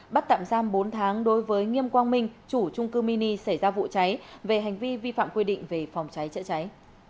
bắt tạm giam bốn tháng đối với nghiêm quang minh chủ trung cư mini xảy ra vụ cháy về hành vi vi phạm quy định về phòng cháy chữa cháy